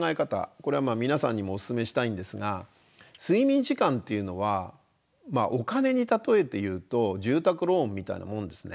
これは皆さんにもお勧めしたいんですが睡眠時間っていうのはお金に例えて言うと住宅ローンみたいなもんですね。